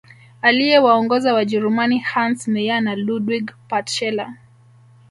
Aliyewaongoza Wajerumani Hans Meyer na Ludwig Purtscheller